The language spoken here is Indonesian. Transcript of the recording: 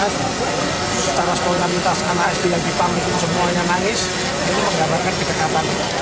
setelah sekolah minta anak sd yang dipanggil semuanya nangis ini menggambarkan kedekatan